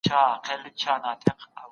تعليم د مهارتونو وده تضمينوي.